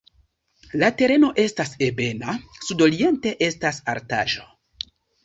La tereno estas ebena, sudoriente estas altaĵo.